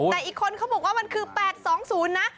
แต่อีกคนเขาบอกว่ามันคือ๘๒๐นะ